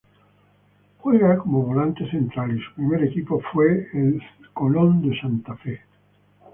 Juega como volante central y su primer equipo fue Colón de Santa Fe.